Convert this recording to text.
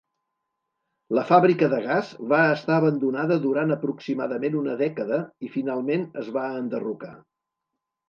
La fàbrica de gas va estar abandonada durant aproximadament una dècada i finalment es va enderrocar.